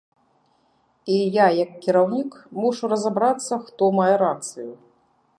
І я, як кіраўнік, мушу разабрацца, хто мае рацыю.